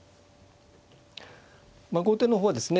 後手の方はですね